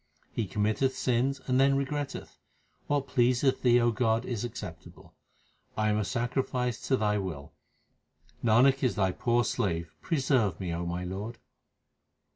He committeth sins and then regretteth. What pleaseth Thee, O God, is acceptable. I am a sacrifice to Thy will, Nanak is Thy poor slave ; Preserve me, O my Lord